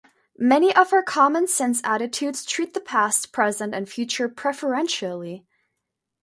Many of our common-sense attitudes treat the past, present and future preferentially.